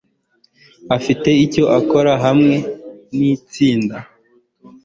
Afite icyo akora hamwe nitsinda